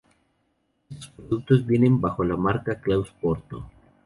Estos productos vienen bajo la marca Claus Porto.